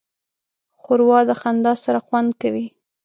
ښوروا د خندا سره خوند کوي.